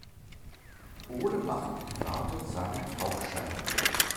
Ole macht gerade seinen Tauchschein.